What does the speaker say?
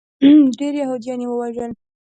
ډیری یهودیان یې ووژل.